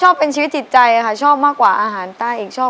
ชอบเป็นชีวิตติดใจค่ะชอบมากกว่าอาหารใต้